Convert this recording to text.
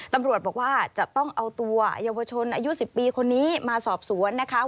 ตำรวจบอกว่าจะต้องเอาตัวเยาวชนอายุ๑๐ปีคนนี้มาสอบสวนนะคะ